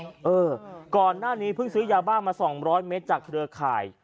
เออก่อนหน้านี้เพิ่งซื้อยาบ้ามา๒๐๐เมตรจากเครือข่าย